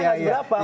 karena angka berapa